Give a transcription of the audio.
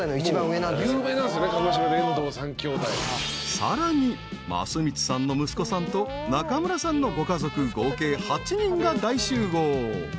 ［さらに益満さんの息子さんと中村さんのご家族合計８人が大集合］